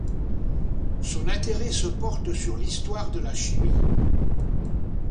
Son intérêt se porte sur l'histoire de la chimie.